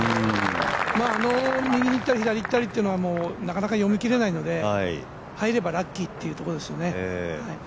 右に行ったり左に行ったりっていうのはなかなか、読み切れないので入ればラッキーということですね。